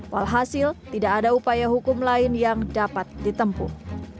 walhasil tidak ada upaya hukum lain yang dapat ditempuh